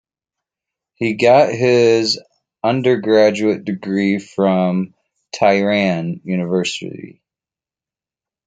He got his undergraduate degree from Tehran University.